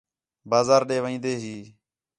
بازار ݙے وین٘دے ہی